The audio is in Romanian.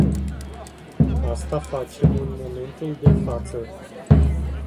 Asta facem în momentul de față.